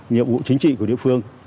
nhiệm vụ chính trị của địa phương